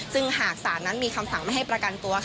ซึ่งหากศาลนั้นมีคำสั่งไม่ให้ประกันตัว